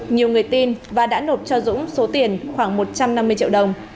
nhiều người tin và đã nộp cho dũng số tiền khoảng một trăm năm mươi triệu đồng